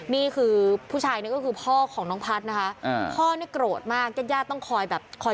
นี่คือผู้ชายนี่ก็คือพ่อของน้องพัดนะครับ